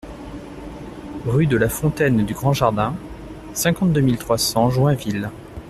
Rue de la Fontaine du Grand Jardin, cinquante-deux mille trois cents Joinville